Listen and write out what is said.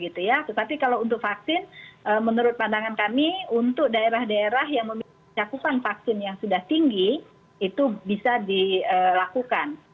tetapi kalau untuk vaksin menurut pandangan kami untuk daerah daerah yang memiliki cakupan vaksin yang sudah tinggi itu bisa dilakukan